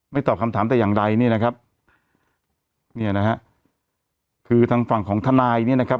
ตอบคำถามแต่อย่างใดเนี่ยนะครับเนี่ยนะฮะคือทางฝั่งของทนายเนี่ยนะครับ